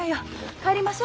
帰りましょ。